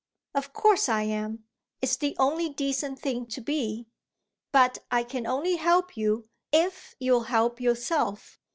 "Of course I am; it's the only decent thing to be. But I can only help you if you'll help yourself.